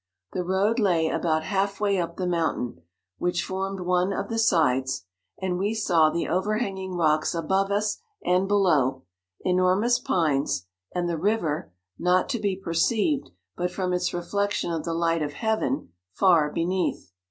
The road lay about half way up the mountain, which formed one of the sides, and we saw the over hanging rocks above us and below, enormous pines, and the river, not to be perceived but from its reflection of the light of heaven, far beneath.